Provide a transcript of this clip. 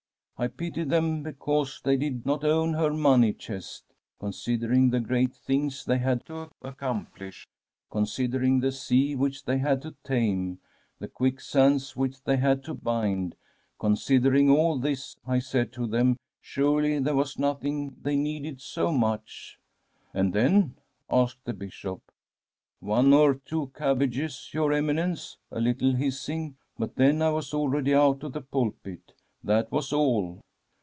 I pitied them because they did not own her money chest. Considering the great things they had to accomplish, considering the sea which they had to tame, the quicksands which they had to bind, considering all this, I said to them surely there was nothing they needed so much.' ' And then ?' asked the Bishop. * One or two cabbages, your Eminence, a little hissing ; but then I was already out of the pulpit. That was all.'